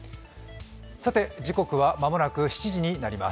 時刻はまもなく７時になります。